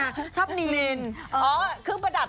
อะเมา